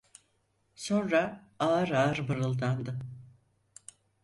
Sonra ağır ağır mırıldandı: